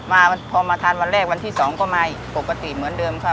มาพอมาทานวันแรกวันที่๒ก็มาอีกปกติเหมือนเดิมค่ะ